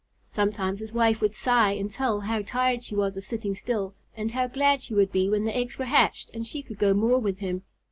Sometimes his wife would sigh and tell how tired she was of sitting still, and how glad she would be when the eggs were hatched and she could go more with him.